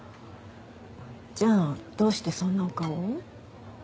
じゃあどうしてそんなお顔を？